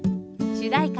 主題歌